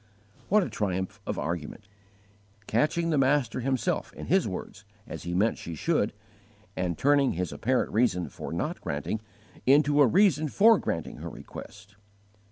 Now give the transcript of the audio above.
What a triumph of argument! Catching the Master Himself in His words, as He meant she should, and turning His apparent reason for not granting into a reason for granting her request!